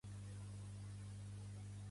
Pertany al moviment independentista l'Encarni?